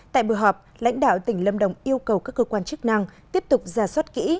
tại buổi họp lãnh đạo tỉnh lâm đồng yêu cầu các cơ quan chức năng tiếp tục ra soát kỹ